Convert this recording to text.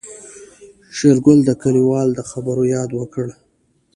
شېرګل د کليوال د خبرو ياد وکړ.